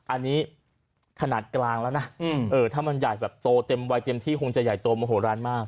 อันนี้ขนาดกลางแล้วนะถ้ามันใหญ่แบบโตเต็มวัยเต็มที่คงจะใหญ่โตโมโหลานมาก